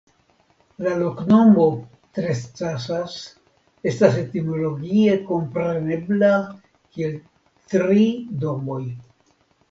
La loknomo "Trescasas" estas etimologie komprenebla kiel Tri Domoj.